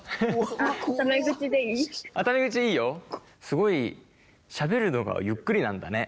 すごいしゃべるのがゆっくりなんだね。